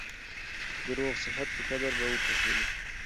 د روغ صحت په قدر به وپوهېږې !